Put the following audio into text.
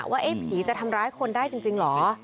ว่าผีจะทำร้ายคนได้จริงเหรอ